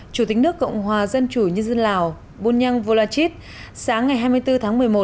chủ tịch nước cộng hòa dân chủ nhân dân lào bunyang volachit sáng ngày hai mươi bốn tháng một mươi một